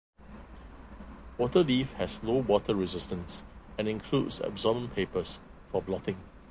Waterleaf has low water resistance and includes absorbent papers for blotting.